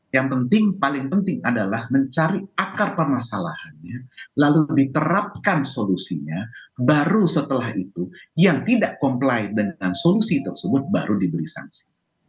yang penting paling penting adalah mencari akar permasalahannya lalu diterapkan solusinya baru setelah itu yang tidak comply dengan solusi tersebut baru diberi sanksi